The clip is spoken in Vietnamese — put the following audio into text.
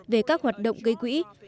về các hoạt động gây quỹ